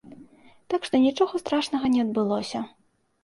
Так што нічога страшнага не адбылося.